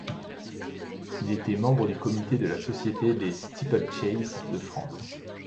Il était membre du comité de la Société des Steeple-Chases de France.